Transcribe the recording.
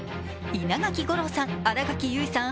稲垣吾郎さん、新垣結衣さん